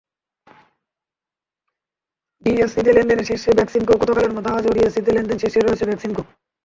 ডিএসইতে লেনদেনে শীর্ষে বেক্সিমকো গতকালের মতো আজও ডিএসইতে লেনদেনে শীর্ষে রয়েছে বেক্সিমকো।